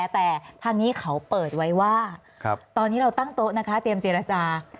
แต่ทางนี้เขาเปิดไว้ว่าตอนนี้เราตั้งโต๊ะนะคะเตรียมเจรจา